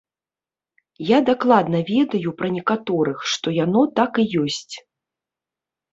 Я дакладна ведаю пра некаторых, што яно так і ёсць.